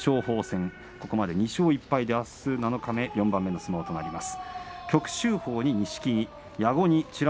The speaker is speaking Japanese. ここまで２勝１敗で、あす七日目が４番目の相撲となります。